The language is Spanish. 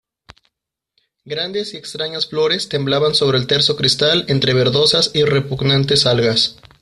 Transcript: grandes y extrañas flores temblaban sobre el terso cristal entre verdosas y repugnantes algas.